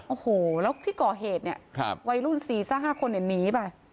โอ้โหแล้วที่ก่อเหตุเนี่ยวัยรุ่นสี่ซะห้าคนอย่างนี้